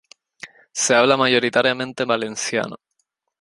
Se habla mayoritariamente valenciano.